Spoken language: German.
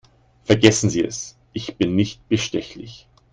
Vergessen Sie es, ich bin nicht bestechlich.